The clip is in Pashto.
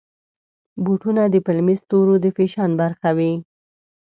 بوټونه د فلمي ستورو د فیشن برخه وي.